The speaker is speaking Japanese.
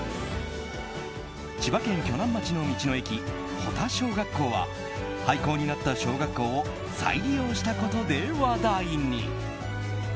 千葉県鋸南町の道の駅保田小学校は廃校になった小学校を再利用したことで話題に。